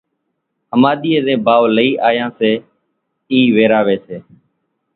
ۿماۮِيئين زين ڀائو لئي آيان سي اِي ويراوي سي،